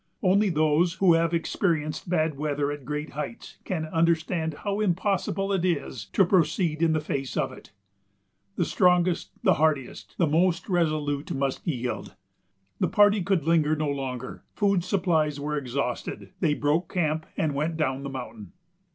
Only those who have experienced bad weather at great heights can understand how impossible it is to proceed in the face of it. The strongest, the hardiest, the most resolute must yield. The party could linger no longer; food supplies were exhausted. They broke camp and went down the mountain.